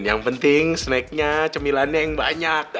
yang penting snacknya cemilannya yang banyak